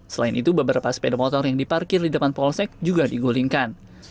selain itu beberapa sepeda motor yang diparkir di depan polsek juga digulingkan